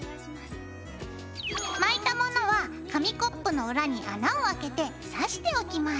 巻いたものは紙コップの裏に穴をあけてさしておきます。